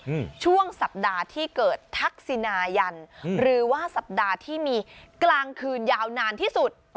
อืมช่วงสัปดาห์ที่เกิดทักษินายันอืมหรือว่าสัปดาห์ที่มีกลางคืนยาวนานที่สุด